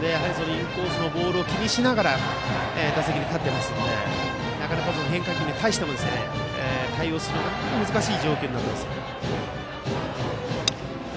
インコースのボール気にしながら打席に立っていますのでなかなか変化球に対しても対応するのは難しい状況です。